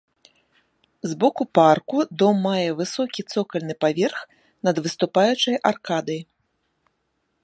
З боку парку дом мае высокі цокальны паверх над выступаючай аркадай.